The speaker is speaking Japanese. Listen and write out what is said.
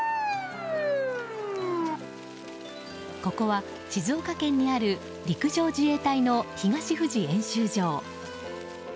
ここは静岡県にある陸上自衛隊の東富士演習場。